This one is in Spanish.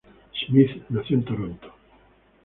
Smith nació en Toronto.